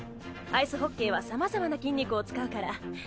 アイスホッケーはさまざまな筋肉を使うから。